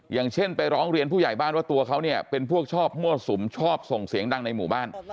อย่างเช่นไปร้องเรียนผู้ใหญ่บ้านว่าตัวเขาเนี่ยเป็นพวกชอบมั่วสุมชอบส่งเสียงดังในหมู่บ้าน